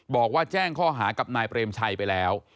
บอกว่าแจ้งข้อหากับนายเปรมชัยไปแล้ว